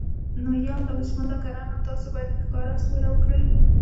نو یا الله بسم الله، کنه نو تاسو باید په ښکاره سوله وکړئ.